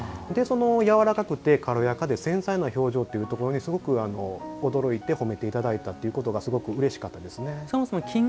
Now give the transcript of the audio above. やわらかくて、軽やかで繊細な表情というところにすごく、驚いて褒めていただいたというところがすごくうれしかったですね。